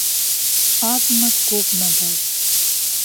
Аҙмы-күпме был?